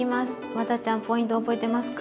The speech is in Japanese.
ワダちゃんポイント覚えてますか？